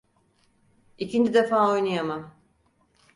İkinci defa oynayamam.